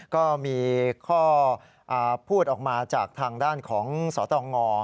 ก็มีข้อพูดออกมาจากทางด้านของสตง